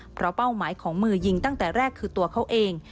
เพราะเป้าหมายของมือยิงตั้งแต่แรกคือตัวเขาเอง